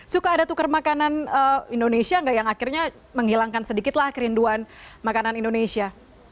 suka ada tukar makanan indonesia nggak yang akhirnya menghilangkan sedikitlah kerinduan makanan indonesia